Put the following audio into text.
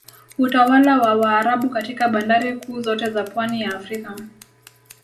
Utawala wa Waarabu katika bandari kuu zote za pwani ya Afrika